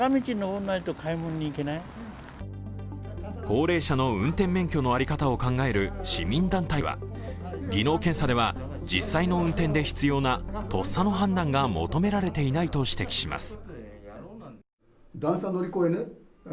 高齢者の運転免許の在り方を考える市民団体は技能検査では実際の運転で必要なとっさの判断が求められていないと指摘します。